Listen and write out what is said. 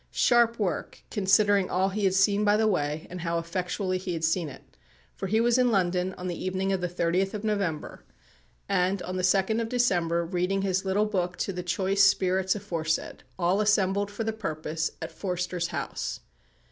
Sharp work, considering all he had seen by the way, and how effectually he had seen it, for he was in London on the evening of the 30th of November, and, on the 2nd of December, reading his little book to the choice spirits aforesaid, all assembled for the purpose at Forster's house.